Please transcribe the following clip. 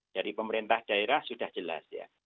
dari pemerintah daerah sudah jelas ya